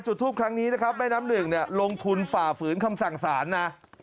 จุดทูปครั้งนี้นะครับแม่น้ำหนึ่งเนี่ยลงทุนฝ่าฝืนคำสั่งสารนะ